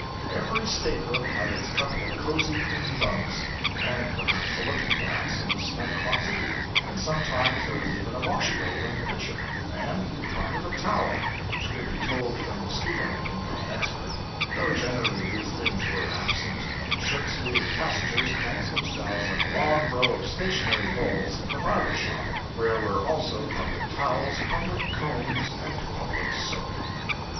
Every state room had its couple of cozy clean bunks, and perhaps a looking glass and a snug closet; and sometimes there was even a washbowl and pitcher, and part of a towel which could be told from mosquito netting by an expert though generally these things were absent, and the shirt sleeved passengers cleansed themselves at a long row of stationary bowls in the barber shop, where were also public towels, public combs, and public soap.